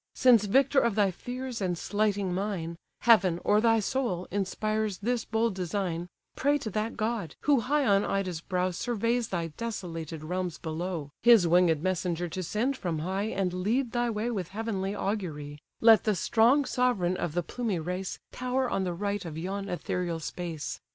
Since victor of thy fears, and slighting mine, Heaven, or thy soul, inspires this bold design; Pray to that god, who high on Ida's brow Surveys thy desolated realms below, His winged messenger to send from high, And lead thy way with heavenly augury: Let the strong sovereign of the plumy race Tower on the right of yon ethereal space.